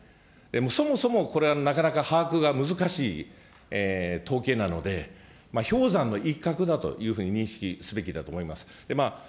そもそもこれはなかなか把握が難しい統計なので、氷山の一角だというふうに認識すべきだと思います。